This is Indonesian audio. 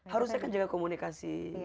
harusnya kan jaga komunikasi